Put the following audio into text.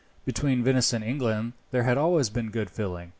Between Venice and England there had always been good feeling.